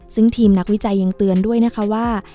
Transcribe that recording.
ซึ่งทีมนักวิจัยยังเตือนด้วยนะคะว่า